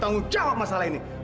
dan anda siap memitikannya